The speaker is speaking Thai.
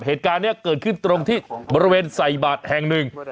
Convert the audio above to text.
เหตุการณ์นี้เกิดขึ้นตรงที่บริเวณใส่บาทแห่งหนึ่ง